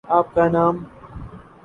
آپ کا نام؟